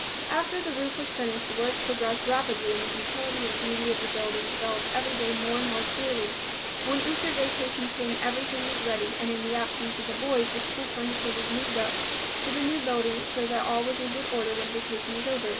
After the roof was finished, work progressed rapidly and the utility and beauty of the building developed every day more and more clearly. When Easter vacation came everything was ready, and in the absence of the boys, the school furniture was moved up to the new building so that all was in good order when vacation was over.